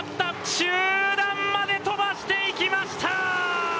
中段まで飛ばしていきました！